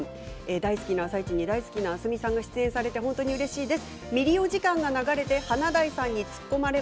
大好きに大好きな明日海さんが出演されて本当にうれしいです。